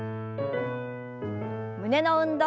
胸の運動。